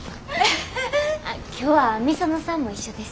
今日は御園さんも一緒です。